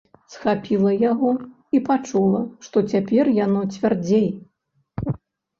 Схапіла яго і пачула, што цяпер яно цвярдзей.